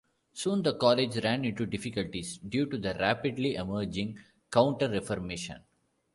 Soon the College ran into difficulties due to the rapidly emerging Counter-Reformation.